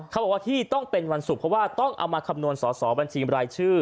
เขาบอกว่าที่ต้องเป็นวันศุกร์เพราะว่าต้องเอามาคำนวณสอสอบัญชีบรายชื่อ